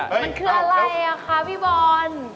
มันคืออะไรอ่ะคะพี่บอล